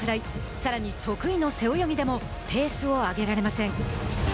さらに得意の背泳ぎでもペースを上げられません。